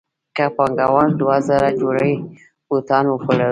که پانګوال دوه زره جوړې بوټان وپلوري